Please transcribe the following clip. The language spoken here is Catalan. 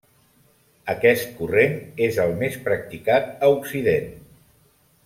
Aquest corrent és el més practicat a Occident.